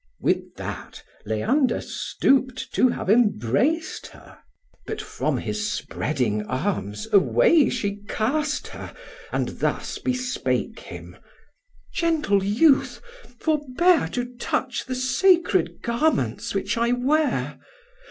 With that, Leander stoop'd to have embrac'd her, But from his spreading arms away she cast her, And thus bespake him: "Gentle youth, forbear To touch the sacred garments which I wear.